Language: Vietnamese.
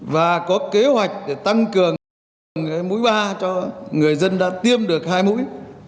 và có kế hoạch để tăng cường mũi ba cho người dân đã tiêm được hai mũi